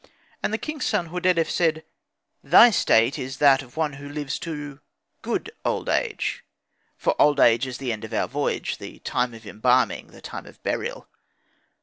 And the king's son Hordedef said, "Thy state is that of one who lives to good old age; for old age is the end of our voyage, the time of embalming, the time of burial.